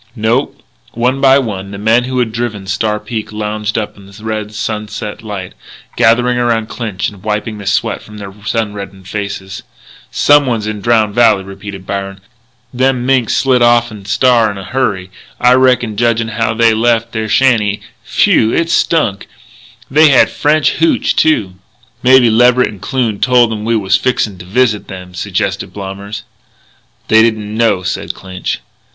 "No." One by one the men who had driven Star Peak lounged up in the red sunset light, gathering around Clinch and wiping the sweat from sun reddened faces. "Someone's in Drowned Valley," repeated Byron. "Them minks slid off'n Star in a hurry, I reckon, judgin' how they left their shanty. Phew! It stunk! They had French hootch, too." "Mebby Leverett and Kloon told 'em we was fixin' to visit them," suggested Blommers. "They didn't know," said Clinch.